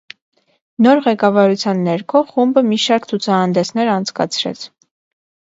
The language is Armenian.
Նոր ղեկավարության ներքո խումբը մի շարք ցուցահանդեսներ անցկացրեց։